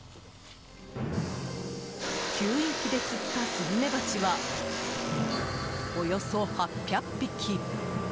吸引器で吸ったスズメバチはおよそ８００匹。